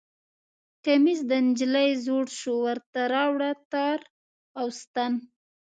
کمیس د نجلۍ زوړ شو ورته راوړه تار او ستن